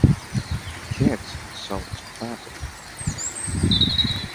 The Kids sold to platinum.